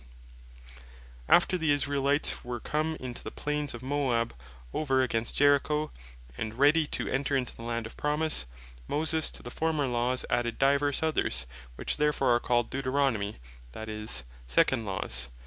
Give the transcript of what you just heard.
The Second Law After the Israelites were come into the Plains of Moab over against Jericho, and ready to enter into the land of Promise, Moses to the former Laws added divers others; which therefore are called Deuteronomy: that is, Second Laws.